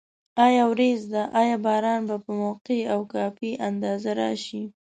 آیا وریځ ده؟ آیا باران به په موقع او کافي اندازه راشي؟